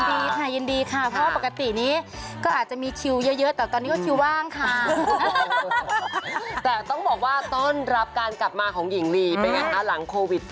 ไม่ได้เหรอจริงเหรอต้องลง